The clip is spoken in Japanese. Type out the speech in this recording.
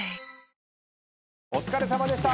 お疲れさまでした。